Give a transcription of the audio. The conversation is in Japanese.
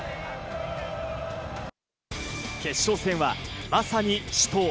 決勝戦はまさに死闘。